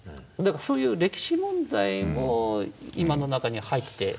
そういう歴史問題も今の中に入って。